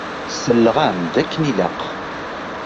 Selleɣ-am-d akken ilaq.